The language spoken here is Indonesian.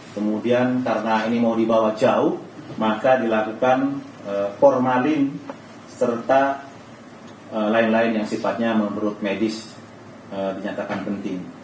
kemudian karena ini mau dibawa jauh maka dilakukan formalin serta lain lain yang sifatnya menurut medis dinyatakan penting